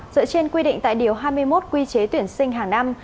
dựa trên quy định tại điều hai mươi một quy chế tuyển sinh hàng năm